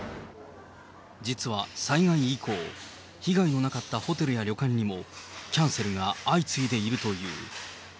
実は災害以降、被害のなかったホテルや旅館にも、キャンセルが相次いでいるという。